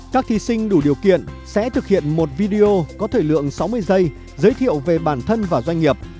các thí sinh đủ điều kiện sẽ thực hiện một video có thời lượng sáu mươi giây giới thiệu về bản thân và doanh nghiệp